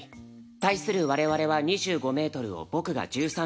対する我々は２５メートルを僕が１３秒９。